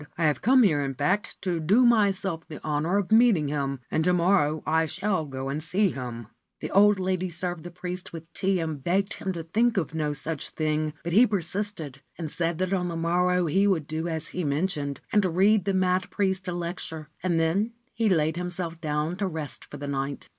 I have come here, in fact, to do myself the honour of meeting him, and to morrow I shall go and see him.' The old lady served the priest with tea and begged him to think of no such thing ; but he persisted, and said that on the morrow he would do as he mentioned, 1 Vampire bat. 217 28 Ancient Tales and Folklore of Japan and read the mad priest a lecture ; and then he laid him self down to rest for the night.